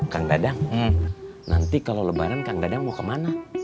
kang dadang nanti kalau lebaran kang dadang mau kemana